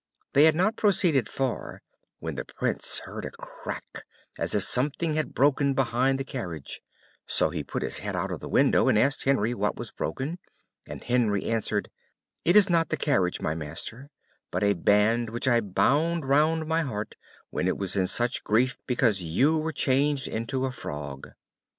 They had not proceeded far when the Prince heard a crack as if something had broken behind the carriage; so he put his head out of the window and asked Henry what was broken, and Henry answered, "It was not the carriage, my master, but a band which I bound round my heart when it was in such grief because you were changed into a frog."